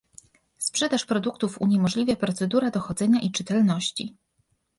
Sprzedaż produktów uniemożliwia procedura dochodzenia i czytelności